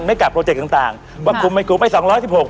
ไม่กลับโปรเจกต์ต่างวัคคลุมไป